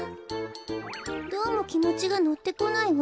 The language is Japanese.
どうもきもちがのってこないわ。